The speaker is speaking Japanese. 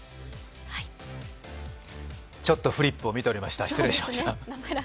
ちょっとフリップを見ておりました、失礼しました。